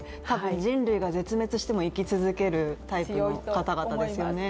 人類が絶滅しても生き続けるタイプの方々ですよね。